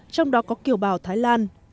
trong đó có kiều bào thái lan